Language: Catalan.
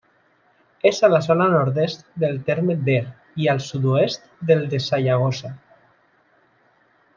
És a la zona nord-est del terme d'Er i al sud-oest del de Sallagosa.